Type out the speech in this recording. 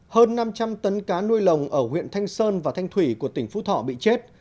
hơn năm trăm linh tấn cá nuôi lồng ở huyện thanh sơn và thanh thủy của tỉnh phú thọ bị chết